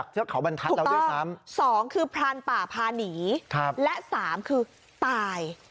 ๒ถูกต้อง๒คือพรานป่าพาหนีและ๓คือตาย